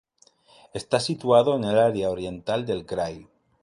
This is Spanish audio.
Está situado en el área oriental del krai.